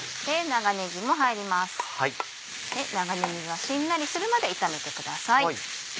長ねぎがしんなりするまで炒めてください。